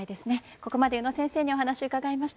ここまで宇野先生にお話伺いました。